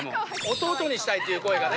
「弟にしたい」っていう声がね